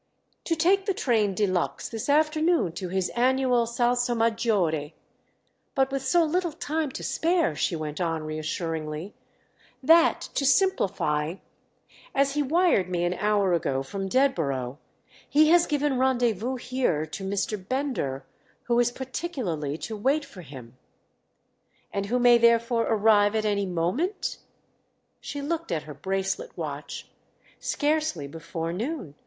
"To take the train de luxe this afternoon to his annual Salsomaggiore. But with so little time to spare," she went on reassuringly, "that, to simplify—as he wired me an hour ago from Dedborough—he has given rendezvous here to Mr. Bender, who is particularly to wait for him." "And who may therefore arrive at any moment?" She looked at her bracelet watch. "Scarcely before noon.